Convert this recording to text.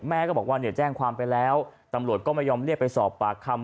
แม่ก็บอกว่าเนี่ยแจ้งความไปแล้วตำรวจก็ไม่ยอมเรียกไปสอบปากคำ